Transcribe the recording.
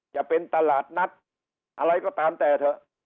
จะเป็นตลาดนัดอะไรก็ตามแต่เถอะ